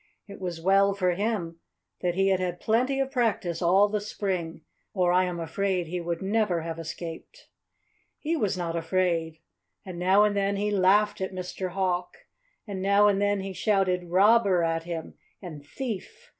It was well for him that he had had plenty of practice all the spring, or I am afraid he would never have escaped. He was not afraid. And now and then he laughed at Mr. Hawk. And now and then he shouted "Robber!" at him, and "Thief!"